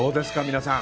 皆さん。